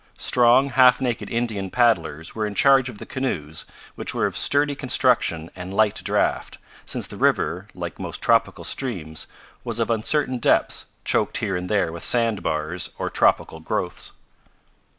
Strong, half naked Indian paddlers were in charge of the canoes which were of sturdy construction and light draft, since the river, like most tropical streams, was of uncertain depths, choked here and there with sand bars or tropical growths.